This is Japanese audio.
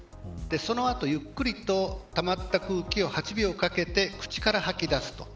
その後、ゆっくりとたまった空気を８秒かけて口から吐き出す。